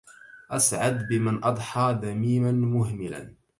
أسعد بمن أضحى ذميما مهملا